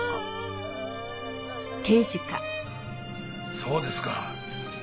そうですか。